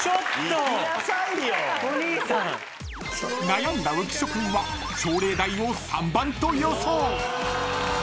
［悩んだ浮所君は朝礼台を３番と予想］